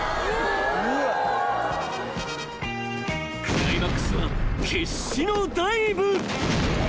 ［クライマックスは決死のダイブ］